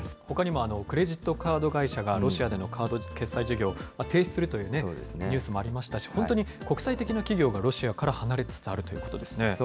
ほかにもクレジットカード会社がロシアでのカード決済事業を停止するというニュースもありましたし、本当に国際的な企業がロシアから離れつつあるということですね。